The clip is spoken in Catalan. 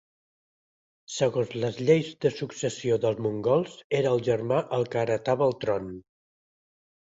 Segons les lleis de successió dels mongols era el germà el que heretava el tron.